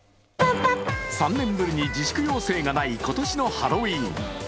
３年ぶりに自粛要請がない今年のハロウィーン。